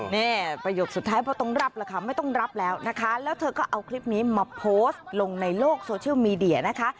นี่ประโยคสุดท้ายเพราะต้องรับล่ะค่ะไม่ต้องรับแล้วนะคะแล้วเธอก็เอาคลิปนี้มาโพสต์ลงในโลกโซเชียลมีเดียนะคะ